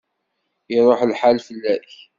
Iṛuḥ lḥal fell-ak.